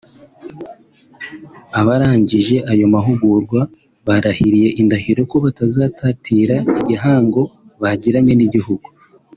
Abarangije ayo mahugurwa barahiye indahiro ko batazatatira igihango bagiranye n’igihugu